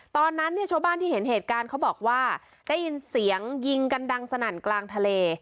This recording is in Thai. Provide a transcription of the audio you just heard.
ตอนนั้นเนี่ยชาวบ้านที่เห็นเหตุการณ์เขาบอกว่าได้ยินเสียงยิงกันดังสนั่นกลางทะเล